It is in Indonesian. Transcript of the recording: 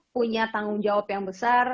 punya tanggung jawab yang besar